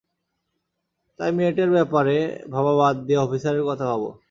তাই মেয়েটার ব্যাপারে ভাবা বাদ দিয়ে অফিসারের কথা ভাব।